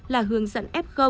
là hướng dẫn f